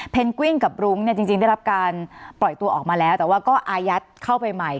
กวิ้งกับรุ้งเนี่ยจริงได้รับการปล่อยตัวออกมาแล้วแต่ว่าก็อายัดเข้าไปใหม่